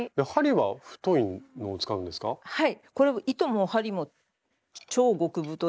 はい。